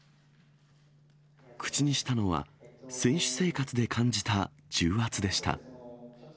口にしたのは、選手生活で感じた重圧でした。